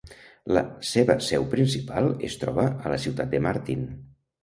La seva seu principal es troba a la ciutat de Martin.